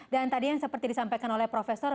dan tadi yang seperti disampaikan oleh profesor